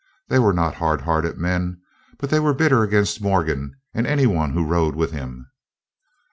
They were not hard hearted men, but they were bitter against Morgan, and any one who rode with him.